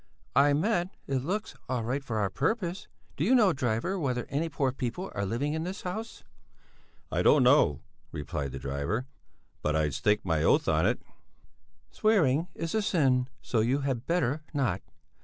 "I meant it looks all right for our purpose. Do you know, driver, whether any poor people are living in this house?" "I don't know," replied the driver, "but I'd stake my oath on it." "Swearing is a sin, so you had better not.